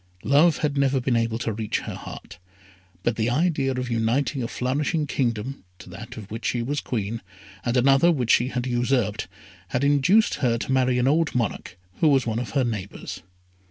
Love had never been able to reach her heart, but the idea of uniting a flourishing kingdom to that of which she was Queen, and another which she had usurped, had induced her to marry an old monarch, who was one of her neighbours.